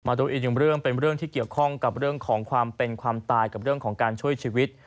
ดูอีกหนึ่งเรื่องเป็นเรื่องที่เกี่ยวข้องกับเรื่องของความเป็นความตายกับเรื่องของการช่วยชีวิต